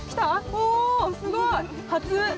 おすごい初。